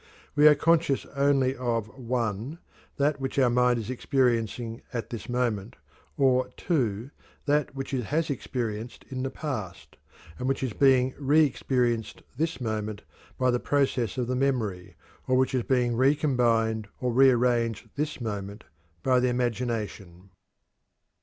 We are conscious only of (1) that which our mind is experiencing at this moment, or (2) that which it has experienced in the past, and which is being re experienced this moment by the process of the memory, or which is being re combined or re arranged this moment by the imagination.